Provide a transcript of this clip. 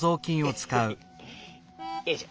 よいしょ。